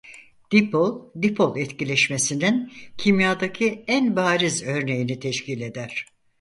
Dipol dipol etkileşmesinin kimyadaki en bariz örneğini teşkil eder.